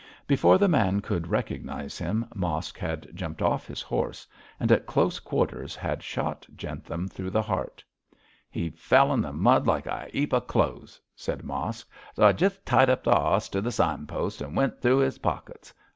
Before the man could recognise him, Mosk had jumped off his horse; and, at close quarters, had shot Jentham through the heart. 'He fell in the mud like a 'eap of clothes,' said Mosk, 'so I jus' tied up the 'oss to the sign post, an' went through his pockets.